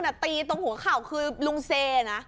แต่ตีตรงหัวเข่าคือลุงเซนะ